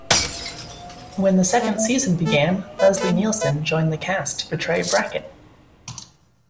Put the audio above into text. When the second season began, Leslie Nielsen joined the cast to portray Bracken.